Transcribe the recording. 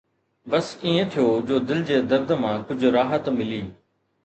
بس ائين ٿيو جو دل جي درد مان ڪجهه راحت ملي